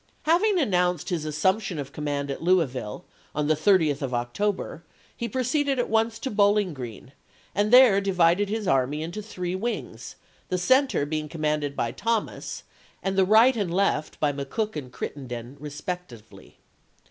Having announced his assumption of command at LouisviUe, on the 30th of October, he proceeded at once to Bowling Oreen, and there di vided his army into three wings, the center being commanded by Thomas, and the right and left by McCook and Crittenden respectively.